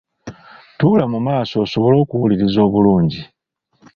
Tuula mu maaso osobole okuwuliriza obululngi.